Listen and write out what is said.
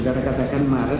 sudah dikatakan maret